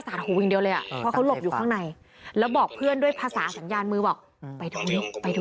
สายตาเขาแบบเบิกโลงเลย